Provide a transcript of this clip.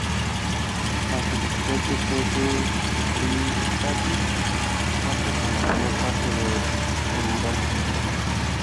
La subespecie "P. c. cristatus" se encuentra por la mayor parte de Eurasia.